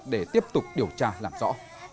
để tiếp tục điều tra làm rõ